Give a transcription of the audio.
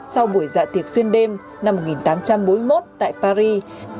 sau buổi dạ tiệc xuyên đêm năm một nghìn tám trăm bốn mươi một tại paris